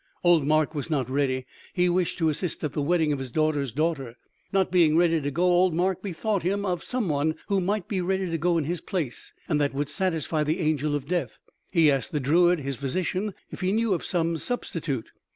Old Mark was not ready. He wished to assist at the wedding of his daughter's daughter. Not being ready to go, old Mark bethought him of some one who might be ready to go in his place and that would satisfy the angel of death. He asked the druid, his physician, if he knew of some 'substitute.'